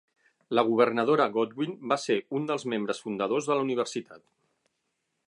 La governadora Godwin va ser un dels membres fundadors de la universitat.